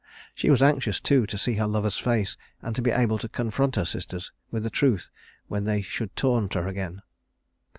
She was anxious, too, to see her lover's face and to be able to confront her sisters with the truth when they should taunt her again.